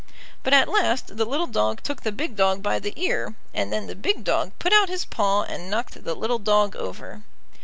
But at last the little dog took the big dog by the ear, and then the big dog put out his paw and knocked the little dog over.